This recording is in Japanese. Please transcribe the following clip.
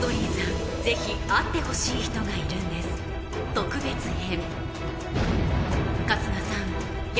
特別編